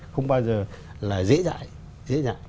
không bao giờ là dễ dãi